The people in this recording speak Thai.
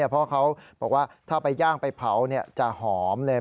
เพราะเขาบอกว่าถ้าไปย่างไปเผาจะหอมเลย